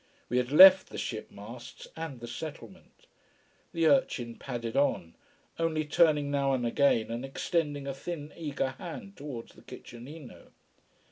We lad left the ship masts and the settlement. The urchin padded on, only turning now and again and extending a thin, eager hand toward the kitchenino.